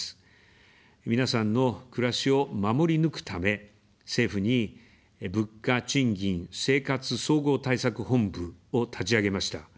皆さんの暮らしを守り抜くため、政府に「物価・賃金・生活総合対策本部」を立ち上げました。